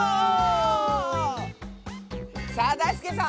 さあだいすけさん！